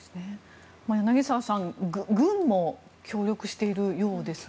柳澤さん軍も協力しているようですが。